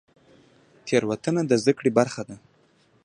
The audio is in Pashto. تیروتنه د زده کړې برخه ده